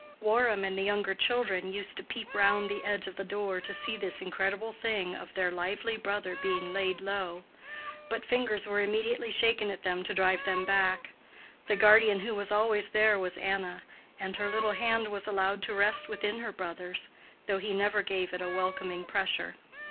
Warham and the younger children used to peep round the edge of the door to see this incredible thing of their lively brother being laid low; but fingers were immediately shaken at them to drive them back. The guardian who was always there was Anna, and her little hand was allowed to rest within her brother's, though he never gave it a welcoming pressure.